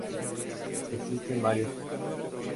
Existen varios tipos.